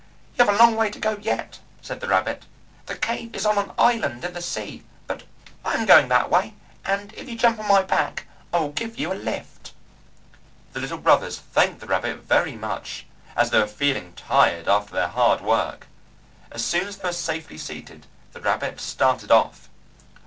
"You have a long way to go yet," said the rabbit; "the cave is on an island in the sea; but I am going that way, and if you jump on my back I will give you a lift." The little brothers thanked the rabbit very much, as they were feeling tired after their hard work. As soon as they were safely seated the rabbit started off.